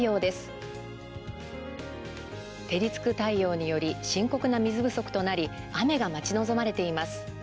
照りつく太陽により深刻な水不足となり雨が待ち望まれています。